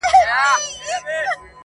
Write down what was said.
څه ترخه ترخه راګورې څه تیاره تیاره ږغېږې,